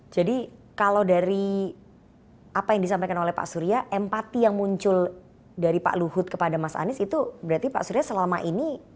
kalau dari apa yang disampaikan oleh pak surya empati yang muncul dari pak luhut kepada mas anies itu berarti pak surya selama ini